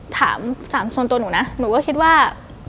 ถามส่วนตัวหนูนะหนูก็คิดว่า